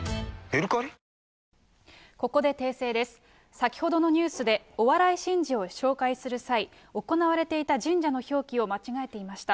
先ほどのニュースで、お笑い神事を紹介する際、行われていた神社の表記を間違えていました。